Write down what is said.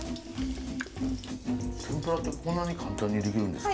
天ぷらこんなに簡単に出来るんですか？